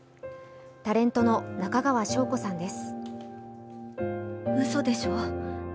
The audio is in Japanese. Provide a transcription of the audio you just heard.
タレントの中川翔子さんです。